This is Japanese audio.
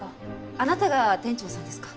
あなたが店長さんですか？